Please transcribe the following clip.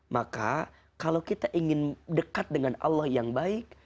maka kalau kita ingin dekat dengan allah yang baik